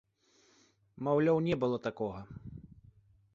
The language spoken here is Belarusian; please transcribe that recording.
Маўляў, не было такога!